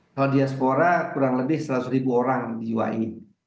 kalau diaspora kurang lebih seratus ribu orang diwain